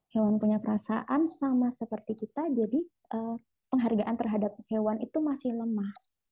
hewan punya perasaan sama seperti kita jadi penghargaan terhadap hewan itu masih lemah